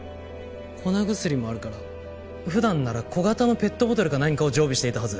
粉薬もあるから普段なら小型のペットボトルか何かを常備していたはず。